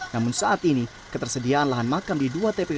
namun saat ini ketersediaan lahan makam di dki jakarta tidak terlalu banyak